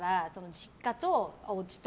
実家とおうちと。